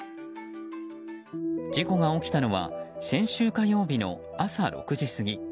事故が起きたのは先週火曜日の朝６時過ぎ。